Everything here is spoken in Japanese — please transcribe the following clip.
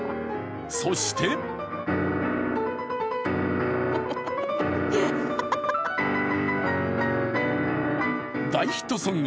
そして大ヒットソング